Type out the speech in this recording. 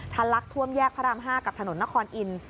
ทะลักษณ์ท่วมแยกพระราม๕กับถนนนครอิน